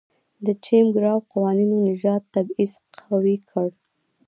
د جېم کراو قوانینو نژادي تبعیض قوي کړ.